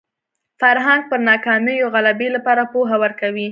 فرهنګ پر ناکامیو غلبې لپاره پوهه ورکوي